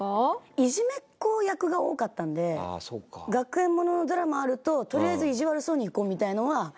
いじめっ子役が多かったんで学園もののドラマあるととりあえず意地悪そうにいこうみたいなのはありましたよ。